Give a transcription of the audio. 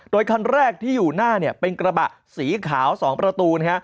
คันแรกที่อยู่หน้าเป็นกระบะสีขาว๒ประตู